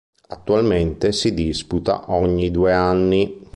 Attualmente si disputa ogni due anni.